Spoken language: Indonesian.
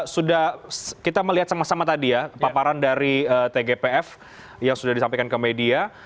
sudah kita melihat sama sama tadi ya paparan dari tgpf yang sudah disampaikan ke media